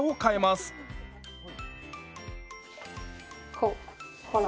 こうほら。